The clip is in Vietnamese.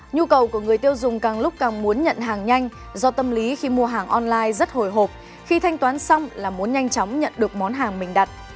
nhu cầu của người tiêu dùng càng lúc càng muốn nhận hàng nhanh do tâm lý khi mua hàng online rất hồi hộp khi thanh toán xong là muốn nhanh chóng nhận được món hàng mình đặt